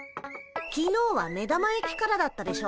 きのうは目玉焼きからだったでしょ。